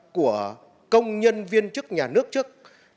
của công nhân viên chức nhà nước trước một nghìn chín trăm chín mươi năm